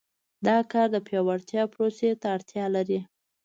دا کار د پیاوړتیا پروسې ته اړتیا لري.